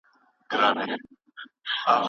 زه د مسیح له ورک زېږون سره لا نه یم بلد